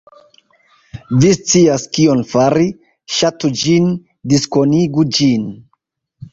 Vi scias kion fari - Ŝatu ĝin, diskonigu ĝin